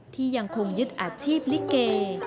ที่ยังคงยึดอาชีพลิเก